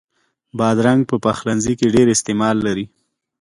بادرنګ په پخلنځي کې ډېر استعمال لري.